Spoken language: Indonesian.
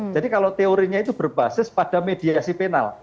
jadi kalau teorinya itu berbasis pada mediasi penal